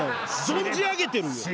存じ上げてるよ。